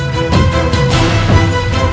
juru seperti mahesa